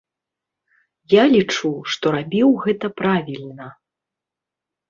Я лічу, што рабіў гэта правільна.